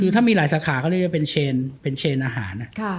คือถ้ามีหลายสาขาเขาเรียกว่าเป็นเชนอาหาร